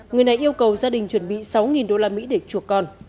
người này yêu cầu gia đình chuẩn bị sáu đô la mỹ để chuộc con